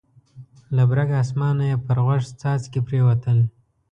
له برګ اسمانه یې پر غوږ څاڅکي پرېوتل.